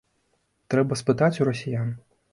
Трэба спытаць у расіян.